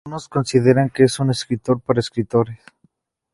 Algunos consideran que es "un escritor para escritores".